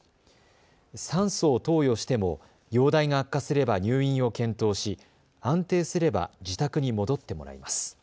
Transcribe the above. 酸素を投与しても容体が悪化すれば入院を検討し安定すれば自宅に戻ってもらいます。